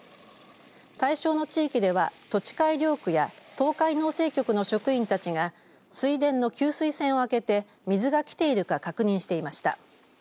対象の地域では土地改良区や東海農政局の職員たちが水田の給水栓を開けて水が来ているか確認していました。